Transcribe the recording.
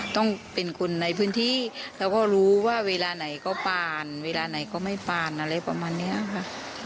ต้องเป็นคนในพื้นที่แล้วก็รู้ว่าเวลาไหนก็ปานเวลาไหนก็ไม่ปานอะไรประมาณนี้ค่ะ